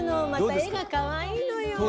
また絵がかわいいのよ。